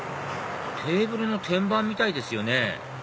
テーブルの天板みたいですよね